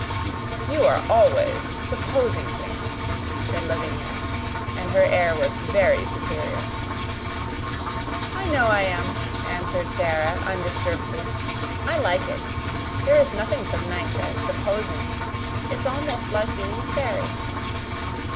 "You are always supposing things," said Lavinia, and her air was very superior. "I know I am," answered Sara, undisturbedly. "I like it. There is nothing so nice as supposing. It's almost like being a fairy.